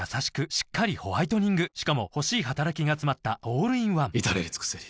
しっかりホワイトニングしかも欲しい働きがつまったオールインワン至れり尽せり